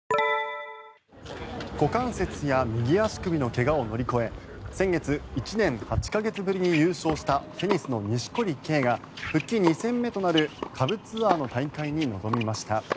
股関節や右足首の怪我を乗り越え先月、１年８か月ぶりに優勝したテニスの錦織圭が復帰２戦目となる下部ツアーの大会に臨みました。